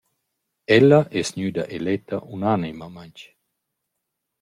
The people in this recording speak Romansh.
Ella es gnüda eletta unanimamaing.